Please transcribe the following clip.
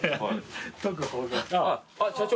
あっ社長？